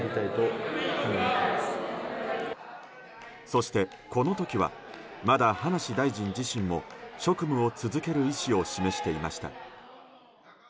そして、この時はまだ葉梨大臣自身も職務を続ける意思を示していました。